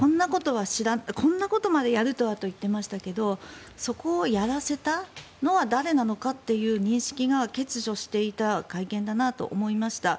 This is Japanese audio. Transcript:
こんなことまでやるとはと言ってましたけどそこをやらせたのは誰なのかという認識が欠如していた会見だなと思いました。